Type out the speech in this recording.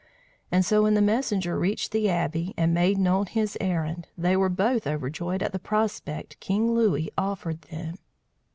And so when the messenger reached the Abbey, and made known his errand, they were both overjoyed at the prospect King Louis offered them.